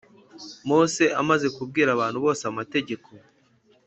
Mose amaze kubwira abantu bose amategeko